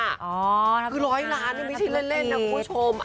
อ๋อนักธรรมดานักธรรมดีคือ๑๐๐ล้านไม่มีที่เล่นนะคุณผู้ชม